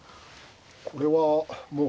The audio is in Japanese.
これはもう。